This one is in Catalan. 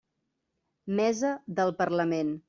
Mesa del Parlament.